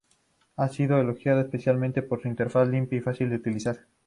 Ha sido elogiada especialmente por su interfaz limpia y fácil de utilizar.